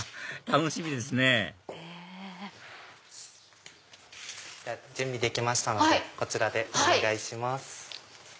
楽しみですね準備できましたのでこちらでお願いします。